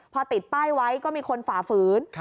พอติดป้ายไว้ก็มีคนฝ่าฝืน